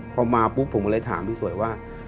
พอมาปุ๊บผมก็เลยถามพี่สวยว่า